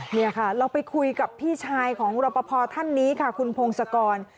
นี่ค่ะเราไปคุยกับพี่ชายของรปภท่านนี้ค่ะคุณพงศกร